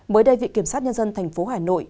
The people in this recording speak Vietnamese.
mới đây viện kiểm sát nhân dân tp hà nội